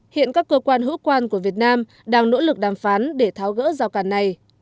hiện các cơ quan hữu quan của việt nam đang nỗ lực đàm phán để tháo gỡ rào cản này